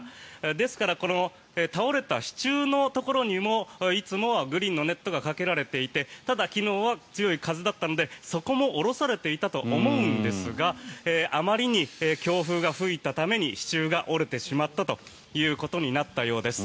ですから倒れた支柱のところにもいつもはグリーンのネットがかけられていてただ、昨日は強い風だったのでそこも下ろされていたと思うんですがあまりに強風が吹いたために支柱が折れてしまったということになったようです。